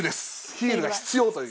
ヒールが「必要」という。